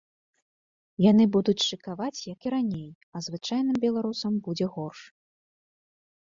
Яны будуць шыкаваць як і раней, а звычайным беларусам будзе горш.